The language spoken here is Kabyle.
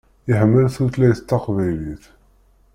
Iḥemmel tutlayt taqbaylit.